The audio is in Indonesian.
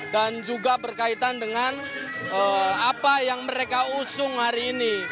dan juga berkaitan dengan apa yang mereka usung hari ini